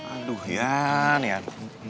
aduh ian ian